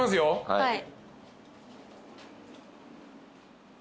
はい。